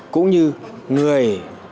cũng như người